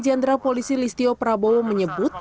jenderal polisi listio prabowo menyebut